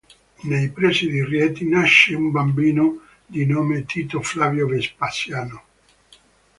Nei pressi di Rieti nasce un bambino di nome Tito Flavio Vespasiano.